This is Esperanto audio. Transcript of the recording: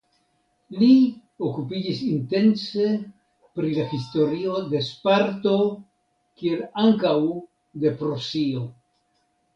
Li okupiĝis intense pri la historio de Sparto kiel ankaŭ de Prusio.